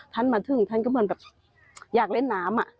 ท่านมาถึงท่านก็เหมือนแบบอยากเล่นน้ำ